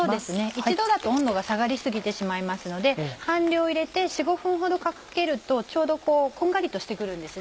１度だと温度が下がり過ぎてしまいますので半量を入れて４５分ほどかけるとちょうどこんがりとして来るんです。